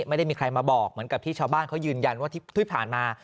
ไม่ได้มีใครมาบอกเหมือนกับที่ชาวบ้านเขายืนยันว่าที่ผ่านมา